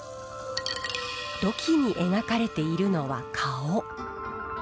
土器に描かれているのは顔。